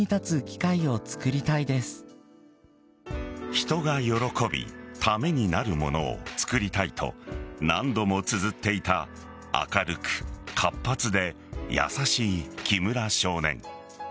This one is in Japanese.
人が喜びためになるものを作りたいと何度もつづっていた明るく活発で優しい木村少年。